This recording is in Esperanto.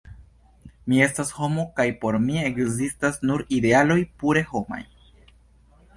Mi estas homo, kaj por mi ekzistas nur idealoj pure homaj.